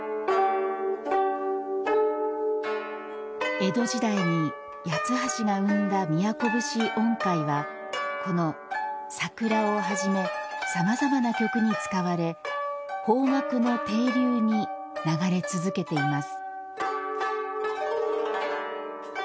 江戸時代に八橋が生んだ都節音階はこの「さくら」をはじめさまざまな曲に使われ邦楽の底流に流れ続けています